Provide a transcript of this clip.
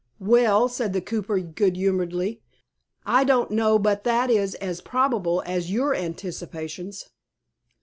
"Well," said the cooper, good humoredly, "I don't know but that is as probable as your anticipations."